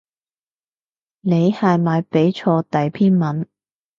你係咪畀錯第篇文